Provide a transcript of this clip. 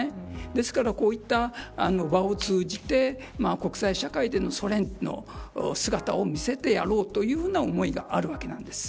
ですから、こういった場を通じて国際社会でのソ連の姿を見せてやろうという思いがあるわけなんです。